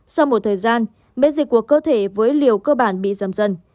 sau một thời gian miễn dịch của cơ thể với liều cơ bản bị giầm dân